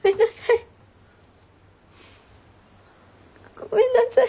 ごめんなさい。